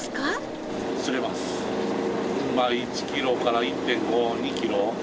まあ１キロから１．５２キロ。